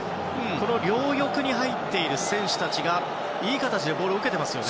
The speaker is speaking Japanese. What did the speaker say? この両翼に入っている選手たちがいい形でボールを受けていますよね。